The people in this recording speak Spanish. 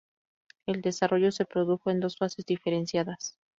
El desarrollo se produjo en dos fases diferenciadas.